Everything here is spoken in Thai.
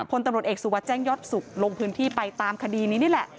พลตำรวจเอกสุวัสดิแจ้งยอดสุขลงพื้นที่ไปตามคดีนี้นี่แหละ